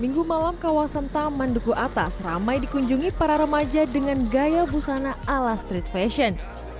minggu malam kawasan taman duku atas ramai dikunjungi para remaja dengan gaya busana ala street fashion